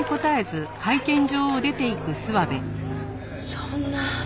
そんな。